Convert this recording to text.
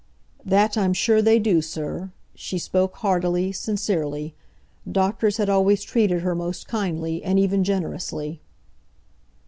"That I'm sure they do, sir"—she spoke heartily, sincerely. Doctors had always treated her most kindly, and even generously.